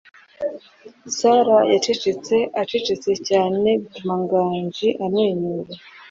Sarah yacecetse acecetse cyane bituma Nganji amwenyura.